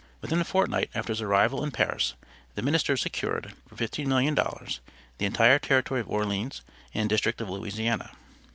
Within a fortnight after his arrival in Paris the ministers secured, for $15,000,000, the entire territory of Orleans and district of Louisiana.